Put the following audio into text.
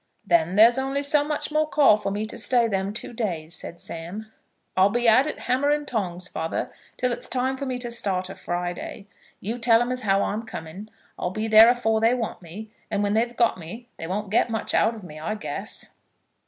"Then there's only so much more call for me to stay them two days," said Sam. "I'll be at it hammer and tongs, father, till it's time for me to start o' Friday. You tell 'em as how I'm coming. I'll be there afore they want me. And when they've got me they won't get much out of me, I guess."